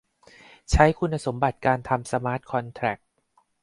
ใช้คุณสมบัติการทำสมาร์ทคอนแทร็ก